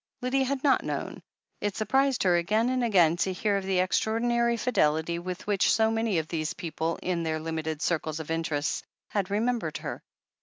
Lydia had not known. It surprised her again and again to hear of the extraordinary fidelity with which so many of these people, in their limited circles of interests, had remembered her.